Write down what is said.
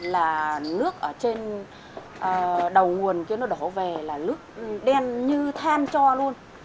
là nước ở trên đầu nguồn kia nó đỏ về là nước đen như than cho luôn